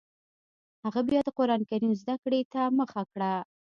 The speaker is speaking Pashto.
هغه بیا د قران کریم زده کړې ته مخه کړه